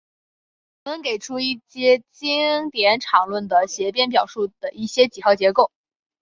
本文给出一阶经典场论的协变表述的一些几何结构。